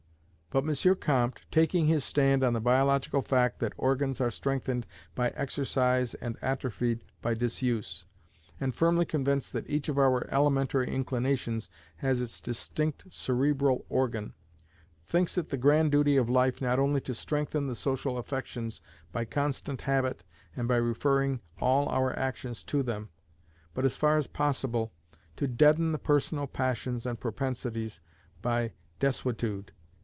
But M. Comte, taking his stand on the biological fact that organs are strengthened by exercise and atrophied by disuse, and firmly convinced that each of our elementary inclinations has its distinct cerebral organ, thinks it the grand duty of life not only to strengthen the social affections by constant habit and by referring all our actions to them, but, as far as possible, to deaden the personal passions and propensities by desuetude.